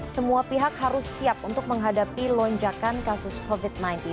semua pihak harus siap untuk menghadapi lonjakan kasus covid sembilan belas